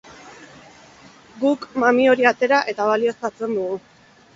Guk mami hori atera eta balioztatzen dugu.